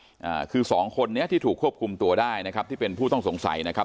อ่าคือสองคนเนี้ยที่ถูกควบคุมตัวได้นะครับที่เป็นผู้ต้องสงสัยนะครับ